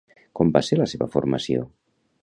Com va ser la seva formació?